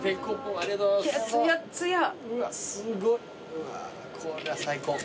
うわこりゃ最高。